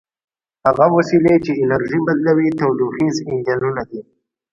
هغه وسیلې چې انرژي بدلوي تودوخیز انجنونه دي.